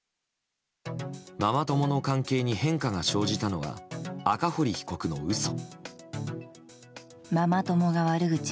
ママ友の関係に変化が生じたのは赤堀被告の嘘。